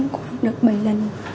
khoảng được bảy lần